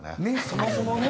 そもそもね。